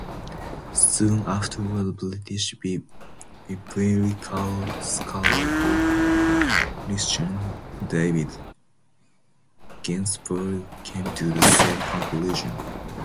Soon afterward British biblical scholar Christian David Ginsburg came to the same conclusion.